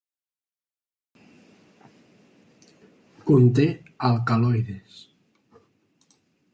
Conté alcaloides.